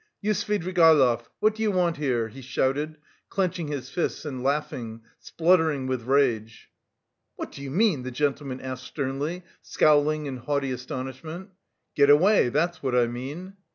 You Svidrigaïlov! What do you want here?" he shouted, clenching his fists and laughing, spluttering with rage. "What do you mean?" the gentleman asked sternly, scowling in haughty astonishment. "Get away, that's what I mean."